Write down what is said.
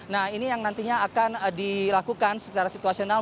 nah ini yang nantinya akan dilakukan secara situasional